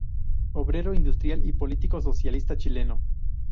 Obrero industrial y político socialista chileno.